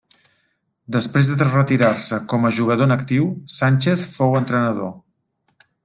Després de retirar-se com a jugador en actiu, Sánchez fou entrenador.